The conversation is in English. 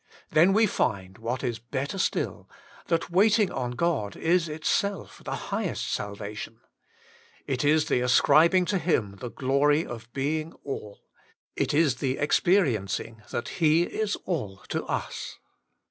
Then we find what is better still, that waiting on God is itself the highest sal vation. It is the ascribing to Him the glory of being All ; it is the experiencing that He is All to us.